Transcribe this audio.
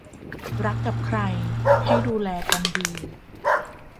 รักกับใครให้ดูแลกันดี